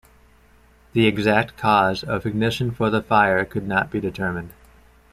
The exact cause of ignition for the fire could not be determined.